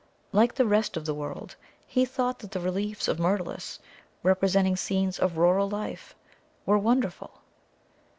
Like the rest of the world, he thought that the reliefs of Myrtilus, representing scenes of rural life, were wonderful.